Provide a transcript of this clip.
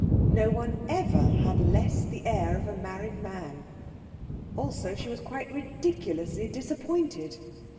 No one ever had less the air of a married man. Also, she was quite ridiculously disappointed.